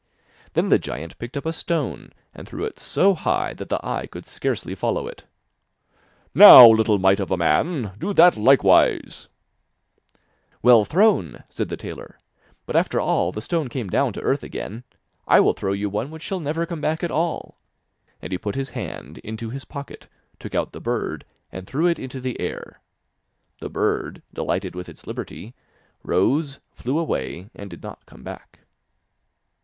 Then the giant picked up a stone and threw it so high that the eye could scarcely follow it. 'Now, little mite of a man, do that likewise,' 'Well thrown,' said the tailor, 'but after all the stone came down to earth again; I will throw you one which shall never come back at all,' and he put his hand into his pocket, took out the bird, and threw it into the air. The bird, delighted with its liberty, rose, flew away and did not come back.